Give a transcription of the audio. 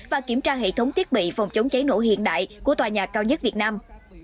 và kiểm tra hệ thống thiết bị phòng chống cháy nổ hiện đại của tòa nhà cao nhất việt nam